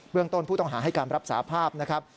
เรื่องต้นผู้ต้องหาให้การรับสาภาพนะครับ